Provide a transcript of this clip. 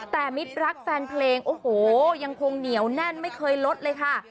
แต่มิตรรักแฟนเพลงโอ้โหยังคงเหนียวแน่นไม่เคยลดเลยค่ะ